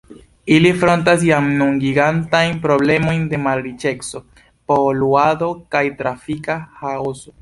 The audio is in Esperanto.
Ili frontas jam nun gigantajn problemojn de malriĉeco, poluado kaj trafika ĥaoso.